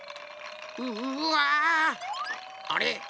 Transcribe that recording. うわ！あれ？